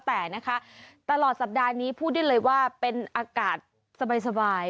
แต่นะคะตลอดสัปดาห์นี้พูดได้เลยว่าเป็นอากาศสบาย